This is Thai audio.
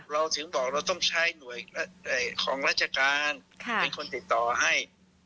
เราถึงบอกเราต้องใช้หน่วยของราชการเป็นคนติดต่อให้